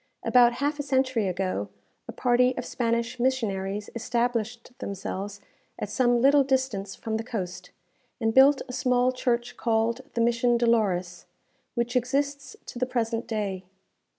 About half a century ago, a party of Spanish missionaries established themselves at some little distance from the coast, and built a small church called the Mission Dolores, which exists to the present day.